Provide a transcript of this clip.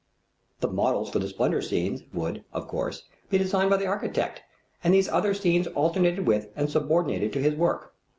The models for the splendor scenes would, of course, be designed by the architect, and these other scenes alternated with and subordinated to his work.